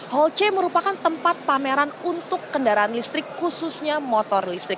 hall c merupakan tempat pameran untuk kendaraan listrik khususnya motor listrik